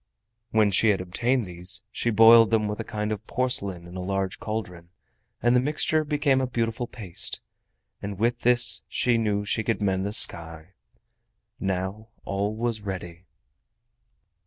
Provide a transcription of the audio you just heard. When she had obtained these, she boiled them with a kind of porcelain in a large caldron, and the mixture became a beautiful paste, and with this she knew that she could mend the sky. Now all was ready.